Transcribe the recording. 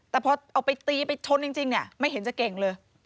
แต่พอเอาไปตีไปชนจริงเนี่ยไม่เห็นจะเก่งเลย